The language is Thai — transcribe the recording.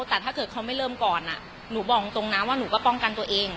แต่ถ้าเกิดเขาไม่เริ่มก่อนหนูบอกตรงนะว่าหนูก็ป้องกันตัวเอง